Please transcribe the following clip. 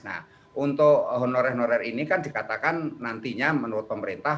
nah untuk honorer honorer ini kan dikatakan nantinya menurut pemerintah